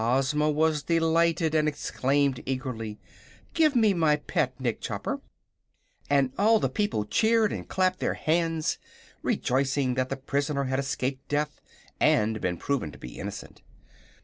Ozma was delighted and exclaimed, eagerly: "Give me my pet, Nick Chopper!" And all the people cheered and clapped their hands, rejoicing that the prisoner had escaped death and been proved to be innocent.